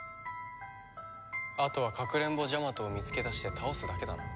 あとはかくれんぼジャマトを見つけ出して倒すだけだな。